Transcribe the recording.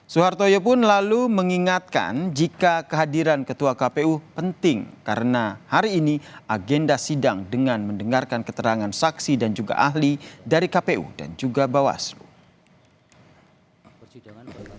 soehartoyo pun lalu mengingatkan jika kehadiran ketua kpu penting karena hari ini agenda sidang dengan mendengarkan keterangan saksi dan juga ahli dari kpu dan juga bawaslu